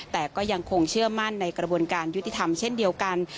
แต่ก็ยังคงเชื่อมั่นในกระบวนการยุติธรรมเช่นเดียวกัน